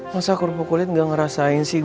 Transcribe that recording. masa aku rupa kulit gak ngerasain sih